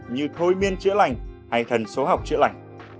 như thối biên chữa lành hay thần số học chữa lành